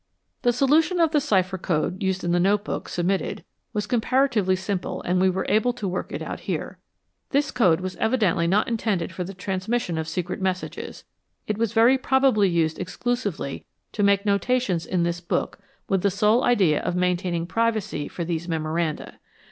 The solution of the cipher code used in the notebook submitted, was comparatively simple and we were able to work it out here. This code was evidently not intended for the transmission of secret messages; it was very probably used exclusively to make notations in this book with the sole idea of maintaining privacy for these memoranda.